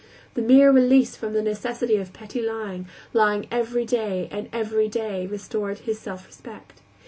The mere release from the necessity of petty lying, lying every day and every day, restored his self respect.